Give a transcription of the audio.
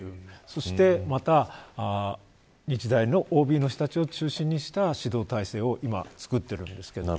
そしてまた日大のＯＢの人たちを中心とした指導体制をつくっているんです。